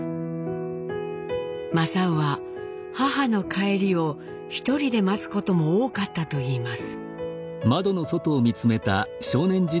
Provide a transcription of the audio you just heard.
正雄は母の帰りを一人で待つことも多かったといいます。